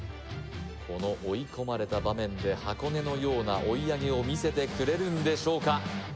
この追い込まれた場面で箱根のような追い上げを見せてくれるんでしょうか？